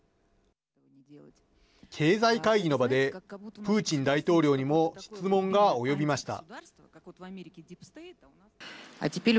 経済会議の場でプーチン大統領にも質問が及びました。